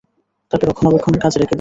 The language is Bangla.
তাকে রক্ষণাবেক্ষণের কাজে রেখে দাও।